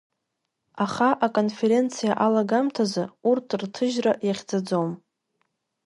Аха аконференциа алагамҭазы урҭ рҭыжьра иахьӡаӡом.